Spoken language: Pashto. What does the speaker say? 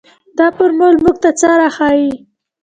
دا فارمول موږ ته څه راښيي.